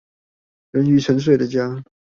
人魚沉睡的家